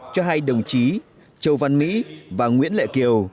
cho hai đồng chí châu văn mỹ và nguyễn lệ kiều